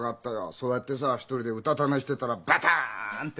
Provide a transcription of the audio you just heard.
そうやってさ一人でうたた寝してたらバタンって。